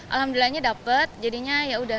alhamdulillah nya dapet jadinya yaudah